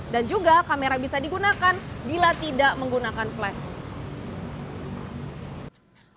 dan juga kamera bisa digunakan bila tidak menggunakan flash